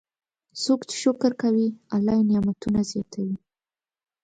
څوک چې شکر کوي، الله یې نعمتونه زیاتوي.